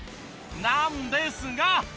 なんですが。